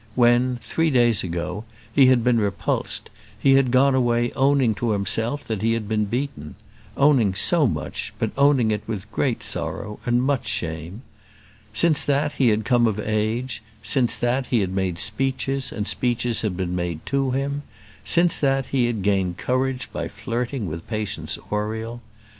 When, three days ago, he had been repulsed, he had gone away owning to himself that he had been beaten; owning so much, but owning it with great sorrow and much shame. Since that he had come of age; since that he had made speeches, and speeches had been made to him; since that he had gained courage by flirting with Patience Oriel.